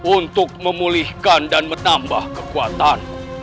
untuk memulihkan dan menambah kekuatan